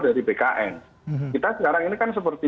dari bkn kita sekarang ini kan seperti